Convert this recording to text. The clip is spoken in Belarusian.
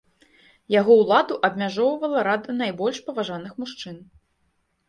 Яго ўладу абмяжоўвала рада найбольш паважаных мужчын.